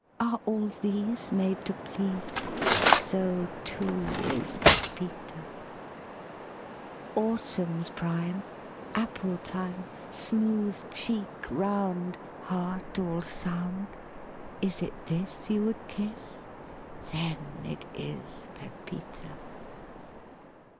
Are all these Made to please? So too is Pepita. 136 LYRIC POETRY Autumn's prime, Apple time, Smooth cheek round, Heart all sound? Is it this You would kiss? Then it is Pepita.